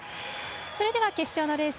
それでは決勝のレース